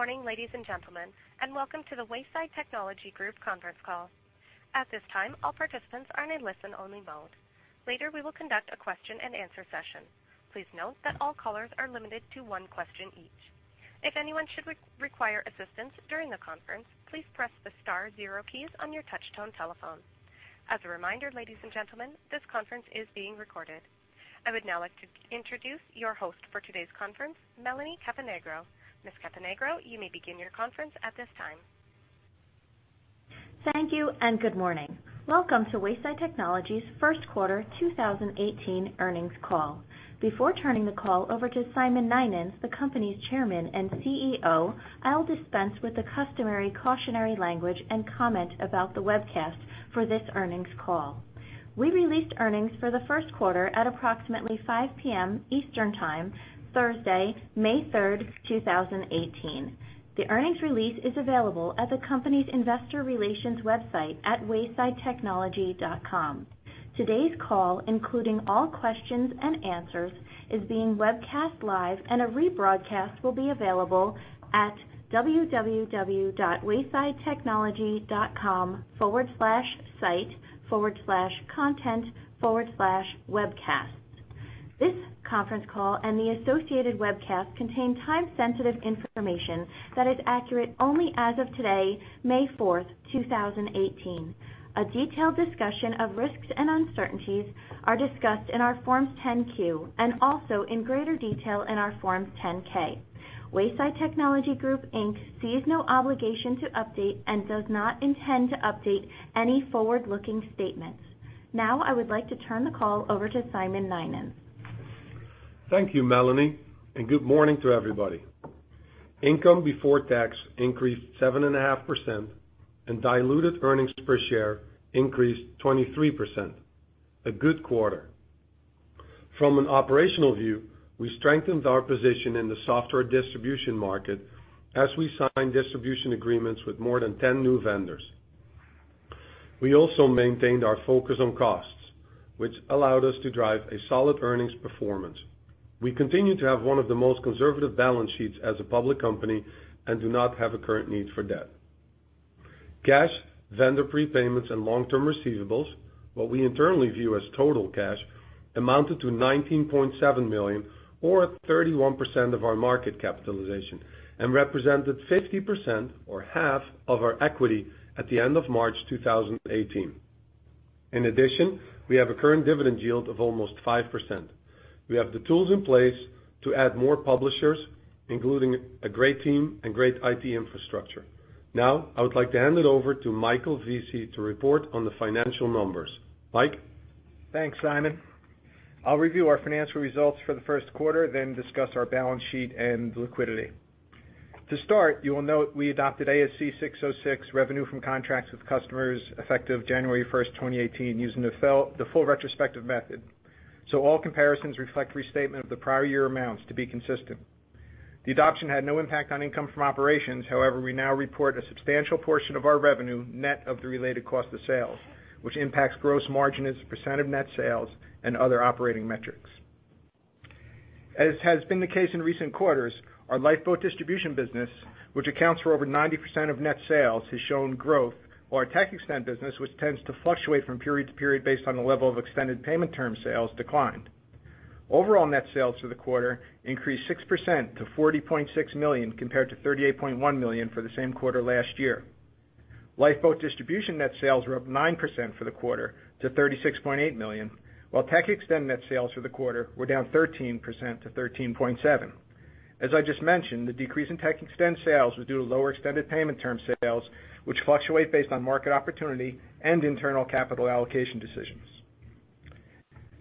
Good morning, ladies and gentlemen, and welcome to the Wayside Technology Group conference call. At this time, all participants are in listen-only mode. Later, we will conduct a question and answer session. Please note that all callers are limited to one question each. If anyone should require assistance during the conference, please press the star 0 keys on your touchtone telephone. As a reminder, ladies and gentlemen, this conference is being recorded. I would now like to introduce your host for today's conference, Melanie Caponigro. Ms. Caponigro, you may begin your conference at this time. Thank you. Good morning. Welcome to Wayside Technology's first quarter 2018 earnings call. Before turning the call over to Simon Nynens, the company's Chairman and CEO, I'll dispense with the customary cautionary language and comment about the webcast for this earnings call. We released earnings for the first quarter at approximately 5:00 P.M. Eastern Time, Thursday, May 3rd, 2018. The earnings release is available at the company's investor relations website at waysidetechnology.com. Today's call, including all questions and answers is being webcast live, and a rebroadcast will be available at www.waysidetechnology.com/site/content/webcasts. This conference call and the associated webcast contain time-sensitive information that is accurate only as of today, May 4th, 2018. A detailed discussion of risks and uncertainties are discussed in our Forms 10-Q and also in greater detail in our Forms 10-K. Wayside Technology Group, Inc. sees no obligation to update and does not intend to update any forward-looking statements. Now I would like to turn the call over to Simon Nynens. Thank you, Melanie. Good morning to everybody. Income before tax increased 7.5% and diluted earnings per share increased 23%, a good quarter. From an operational view, we strengthened our position in the software distribution market as we signed distribution agreements with more than 10 new vendors. We also maintained our focus on costs, which allowed us to drive a solid earnings performance. We continue to have one of the most conservative balance sheets as a public company and do not have a current need for debt. Cash, vendor prepayments, and long-term receivables, what we internally view as total cash, amounted to $19.7 million or 31% of our market capitalization and represented 50% or half of our equity at the end of March 2018. In addition, we have a current dividend yield of almost 5%. We have the tools in place to add more publishers, including a great team and great IT infrastructure. I would like to hand it over to Michael Vesey to report on the financial numbers. Mike? Thanks, Simon. I'll review our financial results for the first quarter, then discuss our balance sheet and liquidity. To start, you will note we adopted ASC 606 Revenue from Contracts with Customers effective January 1st, 2018, using the full retrospective method. All comparisons reflect restatement of the prior year amounts to be consistent. The adoption had no impact on income from operations. However, we now report a substantial portion of our revenue net of the related cost of sales, which impacts gross margin as a % of net sales and other operating metrics. As has been the case in recent quarters, our Lifeboat Distribution business, which accounts for over 90% of net sales, has shown growth, while our TechXtend business, which tends to fluctuate from period to period based on the level of extended payment term sales, declined. Overall net sales for the quarter increased 6% to $40.6 million compared to $38.1 million for the same quarter last year. Lifeboat Distribution net sales were up 9% for the quarter to $36.8 million, while TechXtend net sales for the quarter were down 13% to 13.7%. As I just mentioned, the decrease in TechXtend sales was due to lower extended payment term sales, which fluctuate based on market opportunity and internal capital allocation decisions.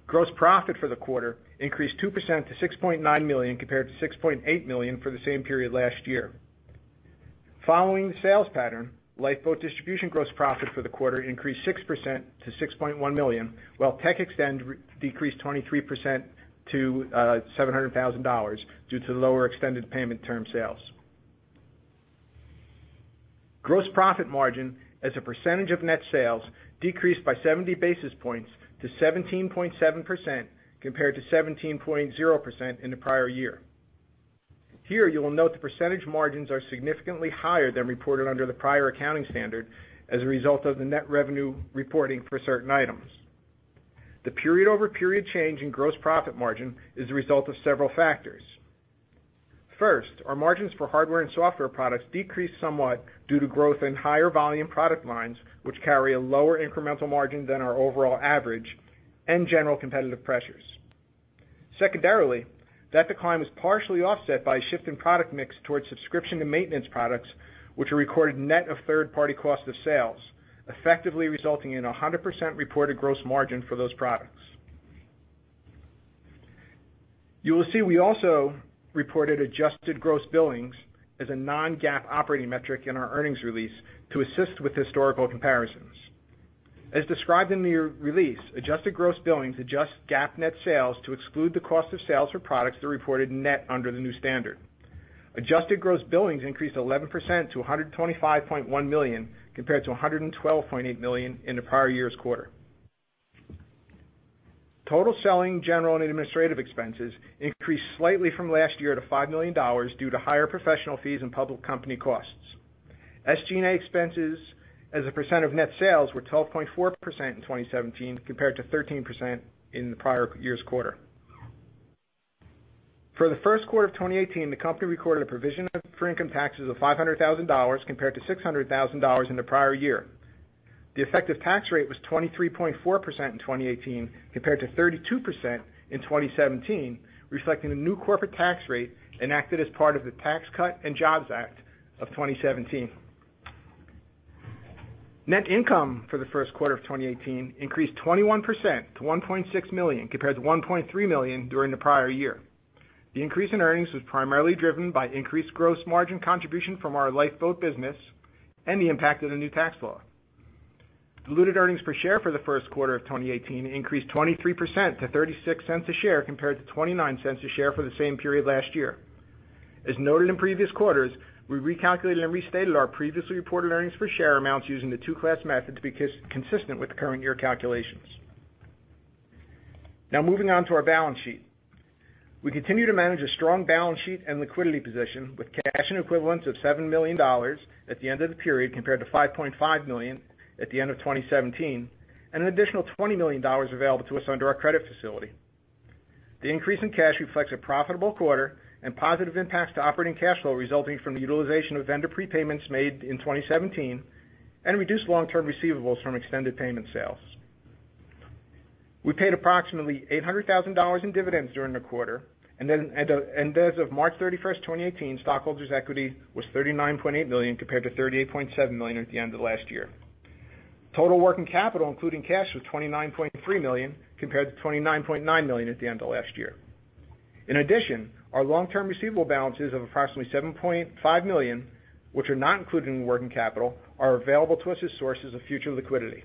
Gross profit for the quarter increased 2% to $6.9 million compared to $6.8 million for the same period last year. Following the sales pattern, Lifeboat Distribution gross profit for the quarter increased 6% to $6.1 million, while TechXtend decreased 23% to $700,000 due to lower extended payment term sales. Gross profit margin as a percentage of net sales decreased by 70 basis points to 17.0% compared to 17.70% in the prior year. Here, you will note the percentage margins are significantly higher than reported under the prior accounting standard as a result of the net revenue reporting for certain items. The period-over-period change in gross profit margin is the result of several factors. First, our margins for hardware and software products decreased somewhat due to growth in higher volume product lines, which carry a lower incremental margin than our overall average and general competitive pressures. Secondarily, that decline was partially offset by a shift in product mix towards subscription and maintenance products, which are recorded net of third-party cost of sales, effectively resulting in 100% reported gross margin for those products. You will see we also reported adjusted gross billings as a non-GAAP operating metric in our earnings release to assist with historical comparisons. As described in the release, adjusted gross billings adjust GAAP net sales to exclude the cost of sales for products that are reported net under the new standard. Adjusted gross billings increased 11% to $125.1 million compared to $112.8 million in the prior year's quarter. Total selling general and administrative expenses increased slightly from last year to $5 million due to higher professional fees and public company costs. SG&A expenses as a percent of net sales were 12.4% in 2018 compared to 13% in the prior year's quarter. For the first quarter of 2018, the company recorded a provision for income taxes of $500,000 compared to $600,000 in the prior year. The effective tax rate was 23.4% in 2018 compared to 32% in 2018, reflecting the new corporate tax rate enacted as part of the Tax Cuts and Jobs Act of 2018. Net income for the first quarter of 2018 increased 21% to $1.6 million, compared to $1.3 million during the prior year. The increase in earnings was primarily driven by increased gross margin contribution from our Lifeboat business and the impact of the new tax law. Diluted earnings per share for the first quarter of 2018 increased 23% to $0.36 a share, compared to $0.29 a share for the same period last year. As noted in previous quarters, we recalculated and restated our previously reported earnings per share amounts using the two-class method to be consistent with the current year calculations. Moving on to our balance sheet. We continue to manage a strong balance sheet and liquidity position with cash and equivalents of $7 million at the end of the period, compared to $5.5 million at the end of 2017, and an additional $20 million available to us under our credit facility. The increase in cash reflects a profitable quarter and positive impacts to operating cash flow resulting from the utilization of vendor prepayments made in 2017, and reduced long-term receivables from extended payment sales. We paid approximately $800,000 in dividends during the quarter, and as of March 31st, 2018, stockholders' equity was $39.8 million, compared to $38.7 million at the end of last year. Total working capital, including cash, was $29.3 million, compared to $29.9 million at the end of last year. Our long-term receivable balances of approximately $7.5 million, which are not included in working capital, are available to us as sources of future liquidity.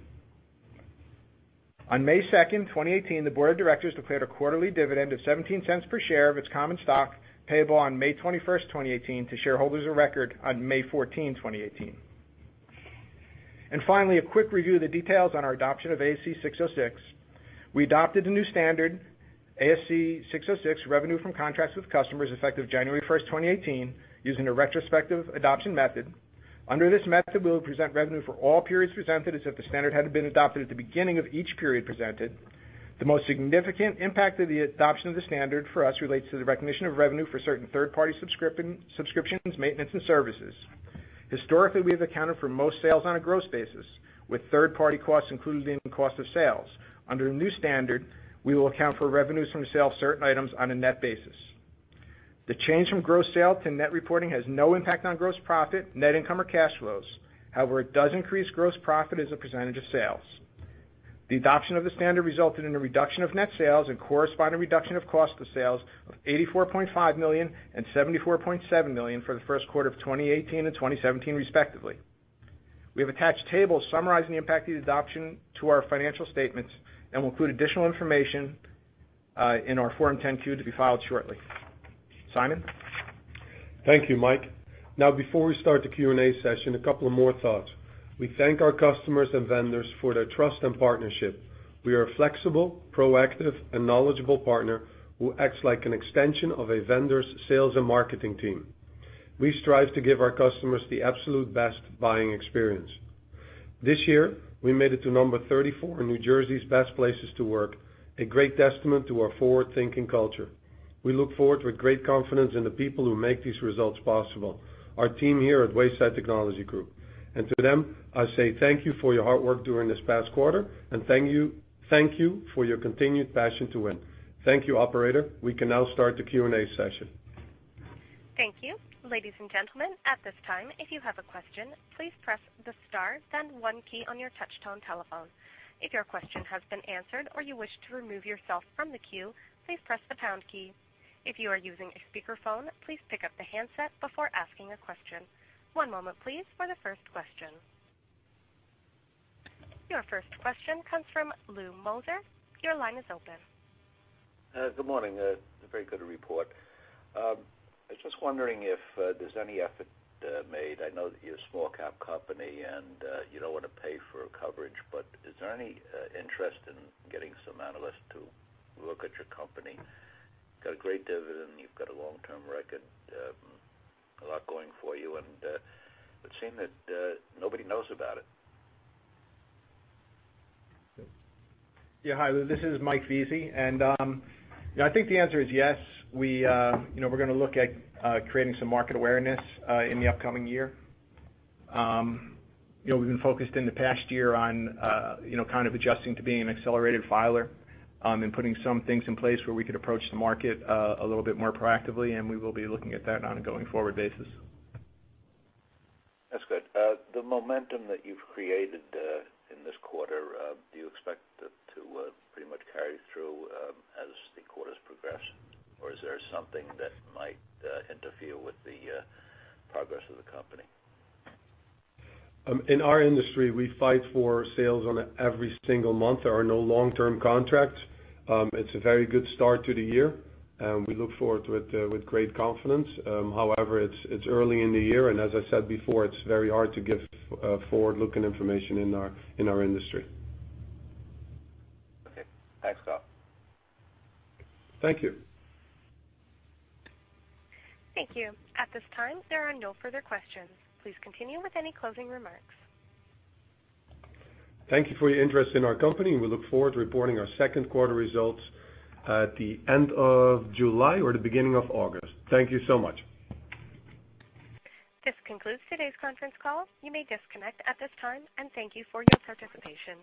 On May 2nd, 2018, the board of directors declared a quarterly dividend of $0.17 per share of its common stock, payable on May 21st, 2018, to shareholders of record on May 14, 2018. Finally, a quick review of the details on our adoption of ASC 606. We adopted the new standard, ASC 606, revenue from contracts with customers, effective January 1st, 2018, using a retrospective adoption method. Under this method, we will present revenue for all periods presented as if the standard had been adopted at the beginning of each period presented. The most significant impact of the adoption of the standard for us relates to the recognition of revenue for certain third-party subscriptions, maintenance, and services. Historically, we have accounted for most sales on a gross basis, with third-party costs included in cost of sales. Under the new standard, we will account for revenues from the sale of certain items on a net basis. The change from gross sale to net reporting has no impact on gross profit, net income, or cash flows. However, it does increase gross profit as a percentage of sales. The adoption of the standard resulted in a reduction of net sales and corresponding reduction of cost of sales of $84.5 million and $74.7 million for the first quarter of 2018 and 2017, respectively. We have attached tables summarizing the impact of the adoption to our financial statements and will include additional information in our Form 10-Q to be filed shortly. Simon? Thank you, Mike. Before we start the Q&A session, a couple of more thoughts. We thank our customers and vendors for their trust and partnership. We are a flexible, proactive, and knowledgeable partner who acts like an extension of a vendor's sales and marketing team. We strive to give our customers the absolute best buying experience. This year, we made it to number 34 on New Jersey's best places to work, a great testament to our forward-thinking culture. We look forward with great confidence in the people who make these results possible, our team here at Wayside Technology Group. To them, I say thank you for your hard work during this past quarter, and thank you for your continued passion to win. Thank you, operator. We can now start the Q&A session. Thank you. Ladies and gentlemen, at this time, if you have a question, please press the star then one key on your touch-tone telephone. If your question has been answered or you wish to remove yourself from the queue, please press the pound key. If you are using a speakerphone, please pick up the handset before asking a question. One moment please, for the first question. Your first question comes from Lou Molzer. Your line is open. Good morning. A very good report. I was just wondering if there's any effort made. I know that you're a small-cap company, and you don't want to pay for coverage, but is there any interest in getting some analysts to look at your company? You've got a great dividend, you've got a long-term record, a lot going for you, and it would seem that nobody knows about it. Yeah. Hi, Lou. This is Mike Vesey. I think the answer is yes. We're going to look at creating some market awareness in the upcoming year. We've been focused in the past year on kind of adjusting to being an accelerated filer and putting some things in place where we could approach the market a little bit more proactively. We will be looking at that on a going-forward basis. That's good. The momentum that you've created in this quarter, do you expect it to pretty much carry through as the quarters progress, or is there something that might interfere with the progress of the company? In our industry, we fight for sales on every single month. There are no long-term contracts. It's a very good start to the year. We look forward with great confidence. However, it's early in the year. As I said before, it's very hard to give forward-looking information in our industry. Okay. Thanks. Thank you. Thank you. At this time, there are no further questions. Please continue with any closing remarks. Thank you for your interest in our company. We look forward to reporting our second quarter results at the end of July or the beginning of August. Thank you so much. This concludes today's conference call. You may disconnect at this time. Thank you for your participation.